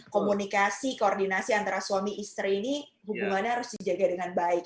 komunikasi koordinasi antara suami istri ini hubungannya harus dijaga dengan baik